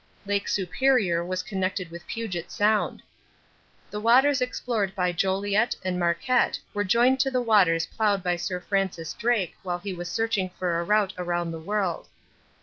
Lake Superior was connected with Puget Sound. The waters explored by Joliet and Marquette were joined to the waters plowed by Sir Francis Drake while he was searching for a route around the world.